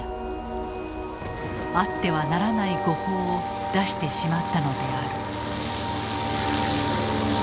あってはならない誤報を出してしまったのである。